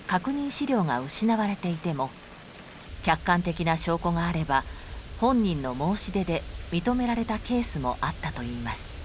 資料が失われていても客観的な証拠があれば本人の申し出で認められたケースもあったといいます。